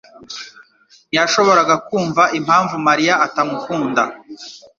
ntiyashoboraga kumva impamvu Mariya atamukunda.